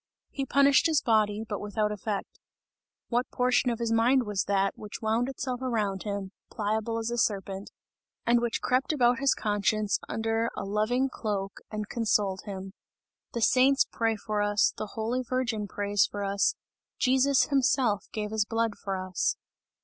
He punished his body, but without effect. What portion of his mind was that, which wound itself around him, pliable as a serpent, and which crept about his conscience under a loving cloak and consoled him! The saints pray for us, the holy Virgin prays for us, Jesus himself gave his blood for us!